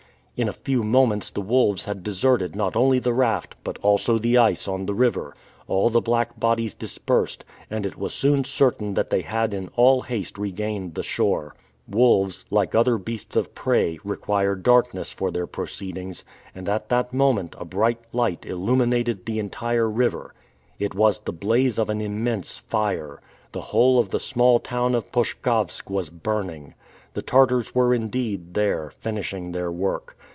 In a few moments the wolves had deserted not only the raft, but also the ice on the river. All the black bodies dispersed, and it was soon certain that they had in all haste regained the shore. Wolves, like other beasts of prey, require darkness for their proceedings, and at that moment a bright light illuminated the entire river. It was the blaze of an immense fire. The whole of the small town of Poshkavsk was burning. The Tartars were indeed there, finishing their work.